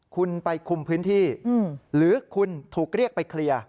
คุณไปคุมพื้นที่หรือคุณถูกเรียกไปเคลียร์